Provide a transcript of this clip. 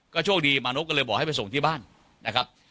โชคดีมานพก็เลยบอกให้ไปส่งที่บ้านนะครับ